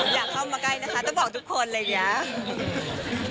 อยากเข้ามาใกล้นะคะต้องบอกทุกคนอะไรอย่างนี้